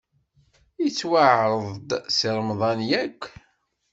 Ittwaɛreḍ-d Si Remḍan, yak?